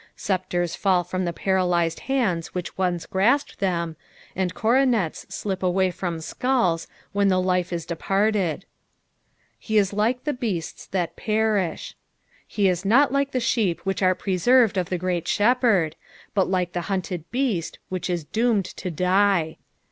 Sceptres fall fmm the parBiysed hands which once grasped them, and coronets slip away from skulls when the life is departed. " Be i* lite the ieatte that perim." He is not like the sheep which are preserved of the Great Shepherd, but like the hunted beast which is doomed to die.